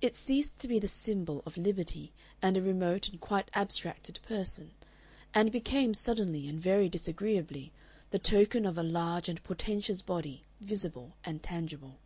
It ceased to be the symbol of liberty and a remote and quite abstracted person, and became suddenly and very disagreeably the token of a large and portentous body visible and tangible.